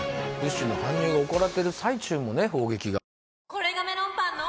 これがメロンパンの！